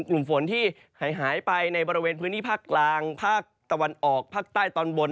กลุ่มฝนที่หายไปในบริเวณพื้นที่ภาคกลางภาคตะวันออกภาคใต้ตอนบน